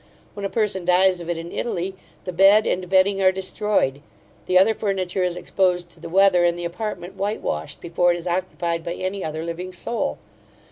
When a person dies of it in Italy, the bed and bedding are destroyed; the other furniture is exposed to the weather and the apartment white washed, before it is occupied by any other living soul.